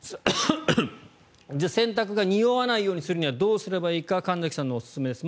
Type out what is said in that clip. じゃあ洗濯がにおわないようにするにはどうすればいいか神崎さんのおすすめです。